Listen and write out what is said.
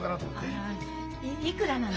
あらいくらなの？